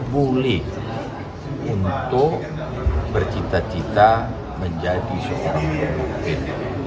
bully untuk bercita cita menjadi seorang perempuan